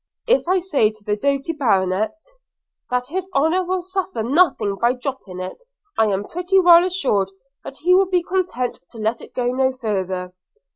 – If I say to the doughty baronet, that his honour will suffer nothing by dropping it, I am pretty well assured that he will be content to let it go no farther.